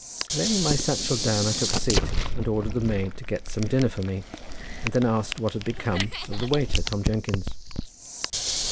Laying my satchel down I took a seat and ordered the maid to get some dinner for me, and then asked what had become of the waiter Tom Jenkins.